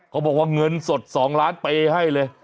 เขาบอกว่าเงินสด๒ล้านเปย์ให้เลย